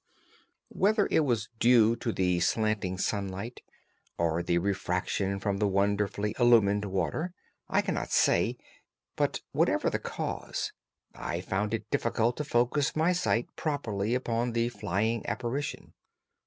Whether it was due to the slanting sunlight, or the refraction from the wonderfully illumined water, I cannot say, but, whatever the cause, I found it difficult to focus my sight properly upon the flying apparition.